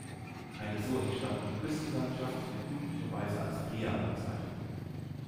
Eine so entstandene Küstenlandschaft wird üblicherweise als Ria bezeichnet.